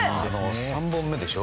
３本目でしょ。